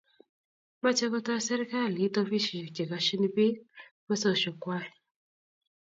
mache kotoy seikalit ofisishek che kashini piik mesoshok kwai